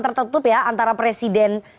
tertutup ya antara presiden